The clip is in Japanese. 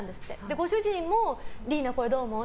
ご主人もリイナ、これどう思う？